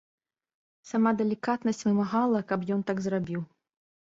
Сама далікатнасць вымагала, каб ён так зрабіў.